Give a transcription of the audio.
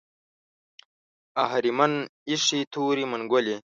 اهریمن ایښې تورې منګولې